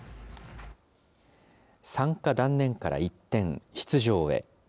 参加断念から一転、出場へ。